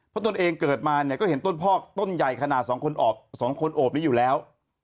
เพราะตนเองเกิดมาเนี่ยก็เห็นต้นพอกต้นใหญ่ขนาด๒คนโอบนี้อยู่แล้ว